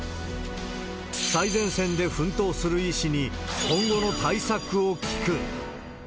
最前線で奮闘する医師に、今後の対策を聞く。